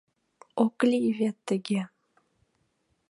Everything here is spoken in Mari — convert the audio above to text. — Ок лий вет тыге.